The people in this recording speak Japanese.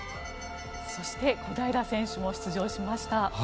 そして、小平選手も出場しました。